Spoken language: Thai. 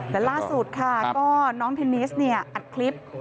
และล่าสุดค่ะก็น้องเทนนิสเนี่ยอัดคลิป